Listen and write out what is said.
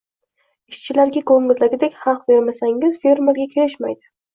Ishchilarga ko`ngildagidek haq bermasangiz, fermerga kelishmaydi